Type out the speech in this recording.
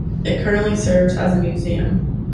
It currently serves as a museum.